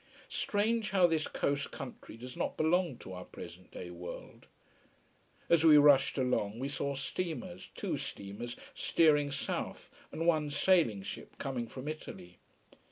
Strange how this coast country does not belong to our present day world. As we rushed along we saw steamers, two steamers, steering south, and one sailing ship coming from Italy.